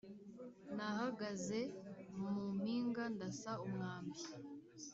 nahagaze mu mpinga ndasa umwambi